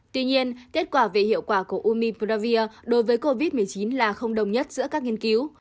tuy nhiên kết quả về hiệu quả của umipravir đối với covid một mươi chín là không đồng nhất giữa các nghiên cứu